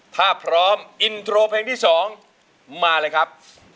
ถ้าพร้อมอินโทรเพลงที่๒มาเลยครับ